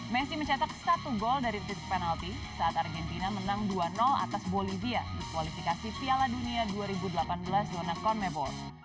messi mencetak satu gol dari titik penalti saat argentina menang dua atas bolivia di kualifikasi piala dunia dua ribu delapan belas zona corn mebel